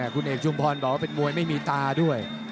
คุณเอกชุมพรบอกว่าเป็นมวยไม่มีตาด้วย